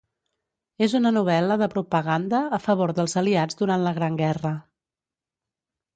És una novel·la de propaganda a favor dels aliats durant la Gran guerra.